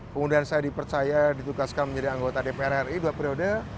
kemudian saya dipercaya ditugaskan menjadi anggota dpr ri dua periode